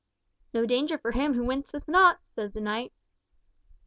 "No danger for him who winceth not," said the knight.